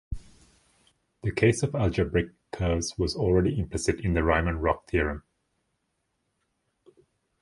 The case of algebraic curves was already implicit in the Riemann-Roch theorem.